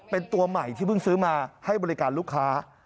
เป็นตัวใหม่ที่เพิ่งซื้อมาให้บริการลูกค้า